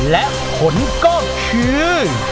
และผลก็คือ